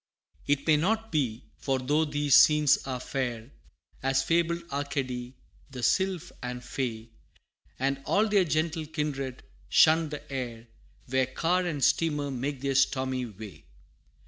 VI. It may not be, for though these scenes are fair, As fabled Arcady the sylph and fay, And all their gentle kindred, shun the air, Where car and steamer make their stormy way.